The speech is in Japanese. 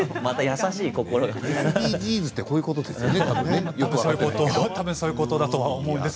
ＳＤＧｓってこういうことですよね。